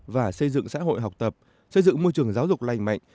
và xây dựng xã hội học tập xây dựng môi trường giáo dục lành mạnh